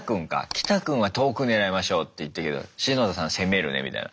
キタ君は「遠く狙いましょう」って言ったけどしのださん「攻めるね」みたいな。